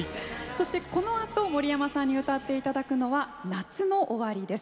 そして、このあと森山さんに歌っていただくのは「夏の終わり」です。